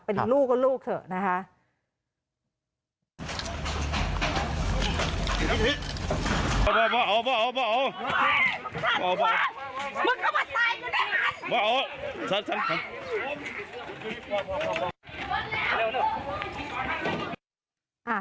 เป็นลูกก็ลูกเถอะนะคะ